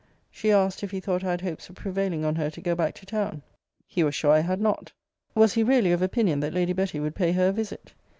She asked, if he thought I had hopes of prevailing on her to go back to town? He was sure I had not. Was he really of opinion that Lady Betty would pay her a visit?